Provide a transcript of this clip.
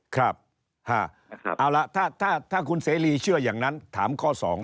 ครับเอาล่ะถ้าคุณเสรีเชื่ออย่างนั้นถามข้อ๒